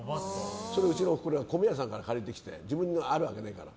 それ、うちのおふくろが米屋さんから借りてきて自分にはあるわけないから。